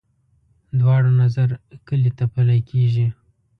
دواړو نظر کلي ته پلی کېږي.